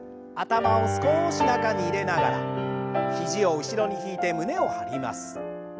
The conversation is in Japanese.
頭を少し中に入れながら肘を後ろに引いて胸を張ります。